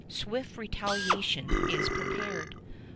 Swift retaliation is prepared.